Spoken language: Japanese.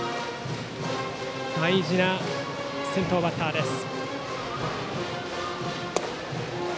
大事な先頭バッターです。